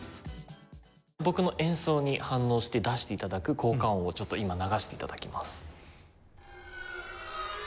僕の演奏に反応して出して頂く効果音をちょっと今流して頂きます。